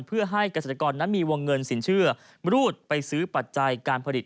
เพื่อให้เกษตรกรนั้นมีวงเงินสินเชื่อมรูดไปซื้อปัจจัยการผลิต